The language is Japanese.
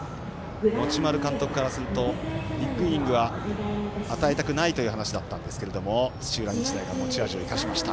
持丸監督からするとビッグイニングは与えたくないという話だったんですけれども土浦日大が持ち味を生かしました。